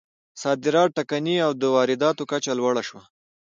صادرات ټکني او د وارداتو کچه لوړه شوه.